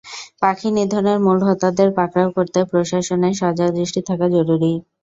পাখি নিধনের মূল হোতাদের পাকড়াও করতে প্রশাসনের সজাগ দৃষ্টি থাকা জরুরি।